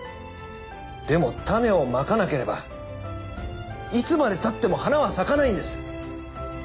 でも種をまかなければいつまでたっても花は咲かないんです。